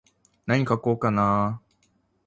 なに書こうかなー。